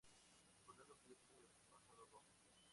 Recordando que ya tiene pasado rojo.